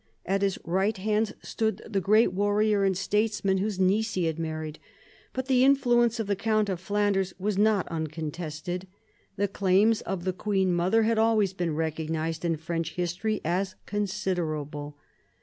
At his right hand stood the great warrior and statesman whose niece he had married. But the influence of the count of Flanders was not uncontested. The claims of a queen mother had always been recognised in French history as considerable.